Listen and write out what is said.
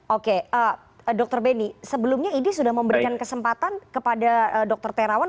oke dr beni sebelumnya idi sudah memberikan kesempatan kepada dokter terawan